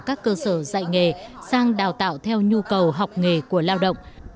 các cơ sở dạy nghề sang đào tạo theo nhu cầu học nghề của lao động